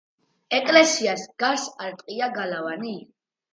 ეკლესიას გარს არტყია გალავანი.